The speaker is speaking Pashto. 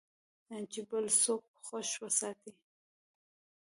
چې بل څوک خوښ وساتې .